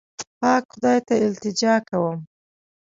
پاک خدای ته التجا کوم.